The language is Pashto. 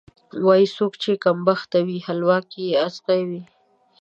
وایي: څوک چې کمبخته وي، حلوا کې یې ازغی وي.